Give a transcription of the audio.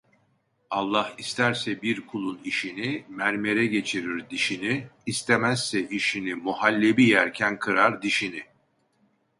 Allah isterse bir kulun işini, mermere geçirir dişini; istemezse işini, muhallebi yerken kırar dişini.